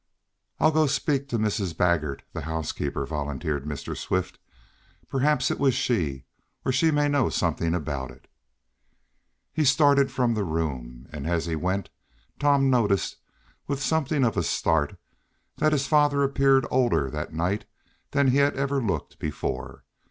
"I'll go speak to Mrs. Baggert, the housekeeper," volunteered Mr. Swift. "Perhaps it was she, or she may know something about it." He started from the room, and as he went Tom noticed, with something of a start, that his father appeared older that night than he had ever looked before.